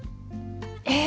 え⁉